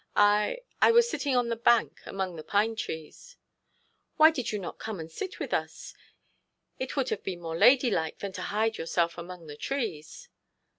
I I was sitting on the bank among the pine trees.' 'Why did you not come and sit with us? It would have been more ladylike than to hide yourself behind the trees.'